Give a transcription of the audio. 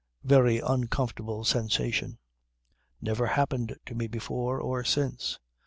Very uncomfortable sensation. Never happened to me before or since.